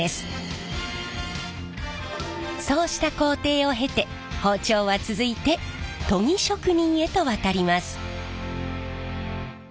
そうした工程を経て包丁は続いて研ぎ職人へと渡ります。